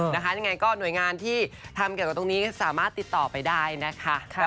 ยังไงก็หน่วยงานที่ทำเกี่ยวกับตรงนี้สามารถติดต่อไปได้นะคะ